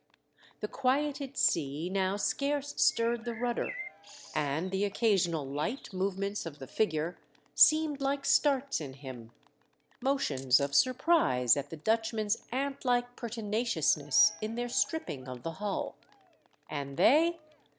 The quieted sea now scarce stirred the rudder, and the occasional light move ments of the figure seemed like starts in him, motions of surprise at the Dutchmen's ant like pertinaciousness in their stripping of the hull. And they?